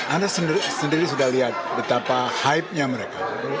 anda sendiri sudah lihat betapa hype nya mereka